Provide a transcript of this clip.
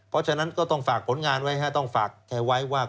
เพราะฉะนั้นก็ต้องฝากผลงานไว้ต้องฝากเธอไว้ว่า